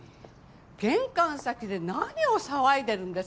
玄関先で何を騒いでるんです？